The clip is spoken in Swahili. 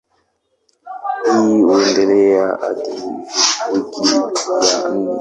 Hii huendelea hadi wiki ya nne.